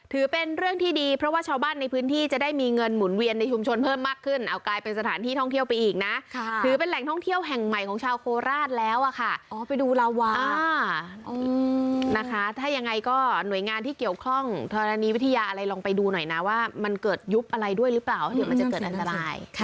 ถือเป็นเรื่องที่ดีเพราะว่าชาวบ้านในพื้นที่จะได้มีเงินหมุนเวียนในชุมชนเพิ่มมากขึ้นเอากลายเป็นสถานที่ท่องเที่ยวเป็นแห่งใหม่ชาวโคราชแล้วดูแล้ววา